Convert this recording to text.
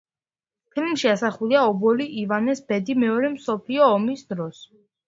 ფილმში ასახულია ობოლი ივანეს ბედი მეორე მსოფლიო ომის დროს.